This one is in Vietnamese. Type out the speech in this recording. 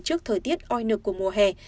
trước thời tiết oi nược của mùa hè